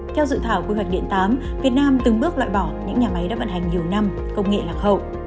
theo dự thảo quy hoạch điện tám việt nam từng bước loại bỏ những nhà máy đã vận hành nhiều năm công nghệ lạc hậu